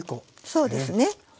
そうですね。